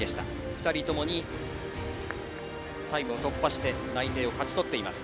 ２人ともにタイムを突破して内定を勝ち取っています。